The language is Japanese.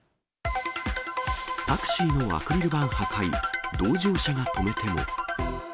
タクシーのアクリル板破壊、同乗者が止めても。